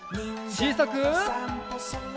ちいさく。